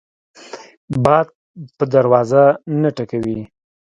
باد په دروازه نه ټکوي